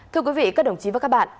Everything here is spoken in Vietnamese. thưa quý vị các đồng chí và các bạn